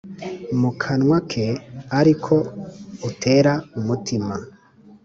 Mu kanwa ke ariko utera umutima